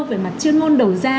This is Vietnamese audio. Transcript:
về mặt chuyên ngôn đầu gian